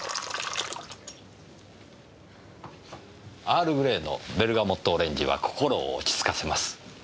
アールグレイのベルガモットオレンジは心を落ち着かせます。